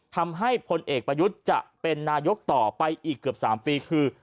พลเอกประยุทธ์จะเป็นนายกต่อไปอีกเกือบ๓ปีคือ